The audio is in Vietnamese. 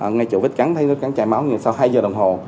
ngay chỗ vết cắn thấy vết cắn chảy máu sau hai giờ đồng hồ